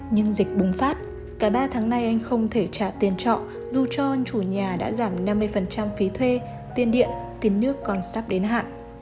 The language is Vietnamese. nhưng dịch bùng phát cả ba tháng nay anh không thể trả tiền trọ dù cho chủ nhà đã giảm năm mươi phí thuê tiền điện tiền nước còn sắp đến hạn